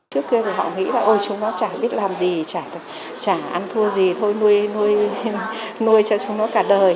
trước kia thì họ nghĩ là ôi chúng nó chả biết làm gì chả ăn thua gì thôi nuôi cho chúng nó cả đời